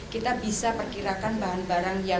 kita bisa perkirakan bahan bahan yang diperlukan